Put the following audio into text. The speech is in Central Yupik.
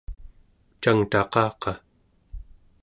cangtaqaqa